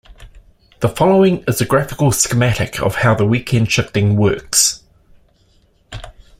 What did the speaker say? The following is a graphical schematic of how the weekend shifting works.